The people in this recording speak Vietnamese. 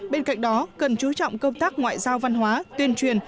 bên cạnh đó cần chú trọng công tác ngoại giao văn hóa tuyên truyền